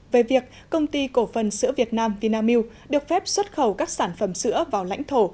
về việc công ty cổ phần sữa việt nam vinamilk được phép xuất khẩu các sản phẩm sữa vào lãnh thổ